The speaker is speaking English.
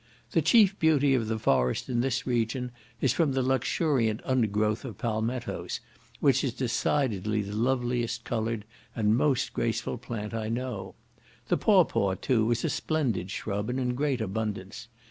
The chief beauty of the forest in this region is from the luxuriant undergrowth of palmetos, which is decidedly the loveliest coloured and most graceful plant I know. The pawpaw, too, is a splendid shrub, and in great abundance.